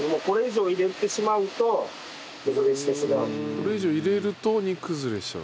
これ以上入れると煮崩れしちゃう。